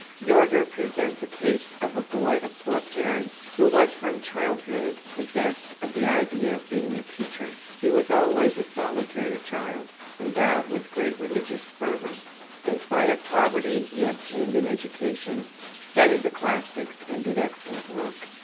Jorger presents a case of a boy of poor parents who was from childhood possessed of the idea of becoming a teacher. He was always a solitary child, endowed with great religious fervor. In spite of poverty he obtained an education, studied the classics, and did excellent work.